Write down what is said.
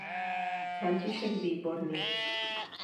František Výborný.